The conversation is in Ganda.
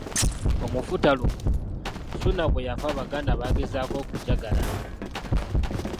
Omufu taluma , Ssuuna bwe yafa Abaganda baagezaako okujagalala.